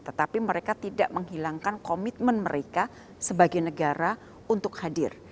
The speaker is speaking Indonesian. tetapi mereka tidak menghilangkan komitmen mereka sebagai negara untuk hadir